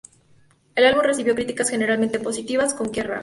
El álbum recibió críticas generalmente positivas, con "Kerrang!